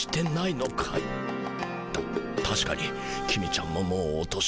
たたしかに公ちゃんももうお年ごろ。